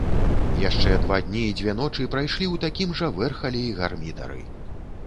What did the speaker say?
Яшчэ два дні і дзве ночы прайшлі ў такім жа вэрхале і гармідары.